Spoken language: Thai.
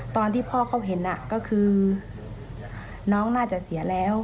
ตอนที่พ่อเขาเห็นก็คือน้องน่าจะเสียแล้ว